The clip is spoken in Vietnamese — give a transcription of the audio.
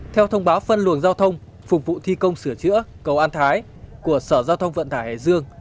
theo thông báo phân luồng giao thông phục vụ thi công sửa chữa cầu an thái của sở giao thông vận tải hải dương